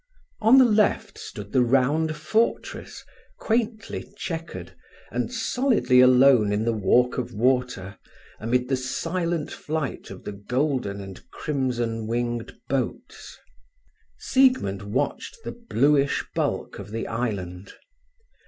On the left stood the round fortress, quaintly chequered, and solidly alone in the walk of water, amid the silent flight of the golden and crimson winged boats. Siegmund watched the bluish bulk of the island.